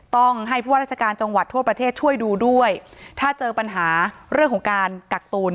ต้องให้ผู้ว่าราชการจังหวัดทั่วประเทศช่วยดูด้วยถ้าเจอปัญหาเรื่องของการกักตูน